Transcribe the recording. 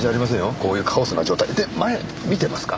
こういうカオスな状態。って前見てますか？